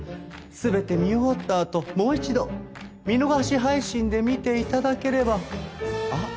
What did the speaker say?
全て見終わったあともう一度見逃し配信で見て頂ければあっ